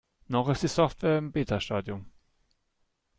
Noch ist die Software im Beta-Stadium.